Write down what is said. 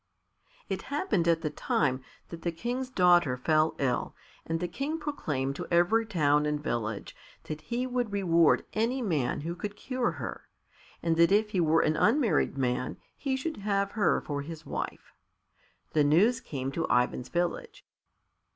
It happened at the time that the King's daughter fell ill, and the King proclaimed to every town and village that he would reward any man who could cure her, and that if he were an unmarried man he should have her for his wife. The news came to Ivan's village.